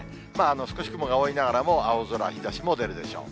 少し雲が多いながらも、青空、日ざしも出るでしょう。